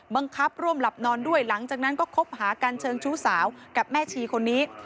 บังคับร่วมหลับนอนด้วยหลังจากนั้นก็คบหากันเชิงชู้สาวกับแม่ชีคนนี้